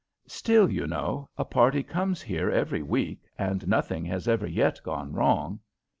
"Still, you know, a party comes here every week, and nothing has ever yet gone wrong."